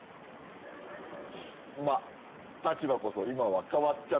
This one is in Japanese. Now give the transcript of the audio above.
まあ立場こそ今は変わっちゃったけどね。